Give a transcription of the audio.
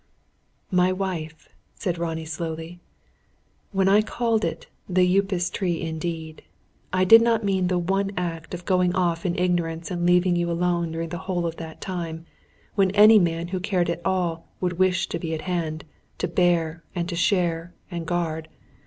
"My wife," said Ronnie slowly, "when I called it 'the Upas tree indeed,' I did not mean the one act of going off in ignorance and leaving you alone during the whole of that time, when any man who cared at all would wish to be at hand, to bear, and share, and guard.